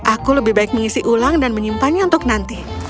aku lebih baik mengisi ulang dan menyimpannya untuk nanti